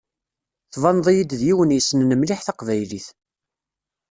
Tbaneḍ-iyi-d d yiwen yessnen mliḥ taqbaylit.